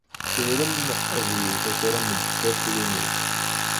Turem ad iyi-taker ameddakel-inu.